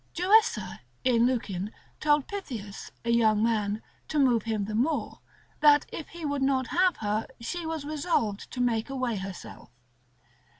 Joessa, in Lucian, told Pythias, a young man, to move him the more, that if he would not have her, she was resolved to make away herself.